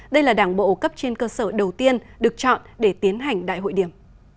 đây là đảng bộ cấp trên cơ sở đầu tiên được chọn để tiến hành đại hội điểm